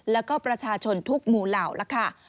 แล้วก็ประชาชนทุกหมู่เหล่าล่ะค่ะ